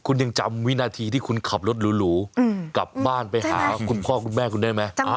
คุณยังจำวินาทีที่คุณขับรถหรูกลับบ้านไปหาคุณพ่อคุณแม่คุณได้ไหม